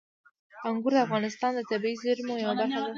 انګور د افغانستان د طبیعي زیرمو یوه برخه ده.